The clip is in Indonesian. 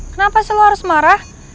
kenapa sih lo harus marah